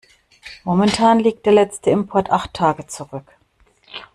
Momentan liegt der letzte Import acht Tage zurück.